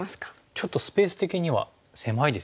ちょっとスペース的には狭いですよね。